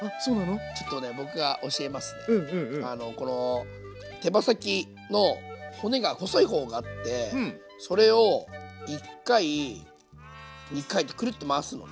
この手羽先の骨が細い方があってそれを１回２回とクルッと回すのね。